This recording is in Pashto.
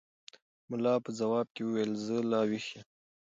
ملا په ځواب کې وویل چې زه لا ویښ یم.